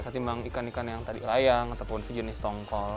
ketimbang ikan ikan yang tadi layang ataupun sejenis tongkol